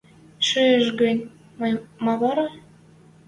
– Шиэш гӹнь, ма вара?